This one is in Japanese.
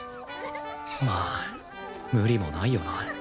まあ無理もないよな